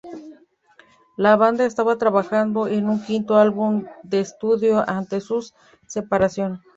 La banda estaba trabajando en un quinto álbum de estudio antes de su separación.